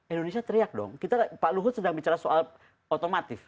indonesia teriak dong pak luhut sedang bicara soal otomatif